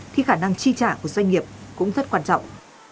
thì khả năng chi trả của doanh nghiệp cũng rất quan trọng